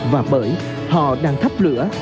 và bởi họ đang thắp lửa